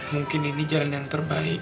mungkin ini jalan yang terbaik